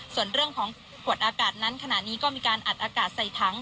ส่วนเรื่องของขวดอากาศนั้นขณะนี้ก็มีการอัดอากาศใส่ถัง